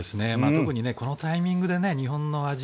特にこのタイミングで日本の味